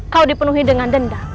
kau dipenuhi dengan dendam